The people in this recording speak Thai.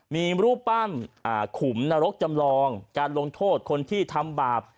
มีรูปปั้นขุมนรกจำลองการลงโทษคนที่ทำบาป